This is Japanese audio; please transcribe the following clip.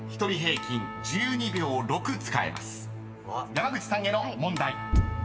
［山口さんへの問題］